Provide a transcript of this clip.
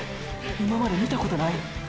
今まで見たことない！